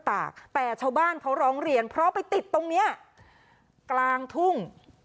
ตากแต่ชาวบ้านเขาร้องเรียนเพราะไปติดตรงเนี้ยกลางทุ่ง